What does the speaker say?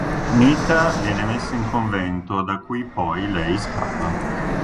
Nita viene messa in convento da cui poi lei scappa.